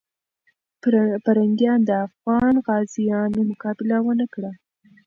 پرنګیان د افغان غازیانو مقابله ونه کړه.